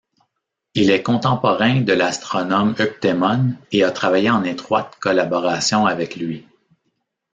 Il est contemporain de l'astronome Euctémon et a travaillé en étroite collaboration avec lui.